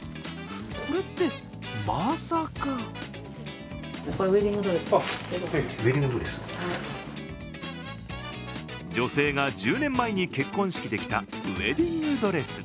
これって、まさか女性が１０年前に結婚式で着たウエディングドレス。